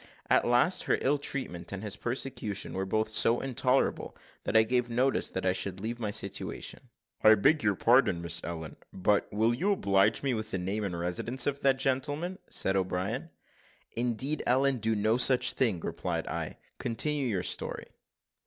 At last, her ill treatment, and his persecution, were both so intolerable, that I gave notice that I should leave my situation." "I beg your pardon, Miss Ellen, but will you oblige me with the name and residence of that gentleman?" said O'Brien. "Indeed, Ellen, do no such thing," replied I; "continue your story."